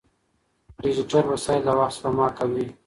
ډیجیټل وسایل د وخت سپما کوي.